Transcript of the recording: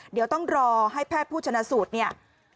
เดี๋ยวต้องรอให้แพทย์ผู้ชนะสูตรเนี่ย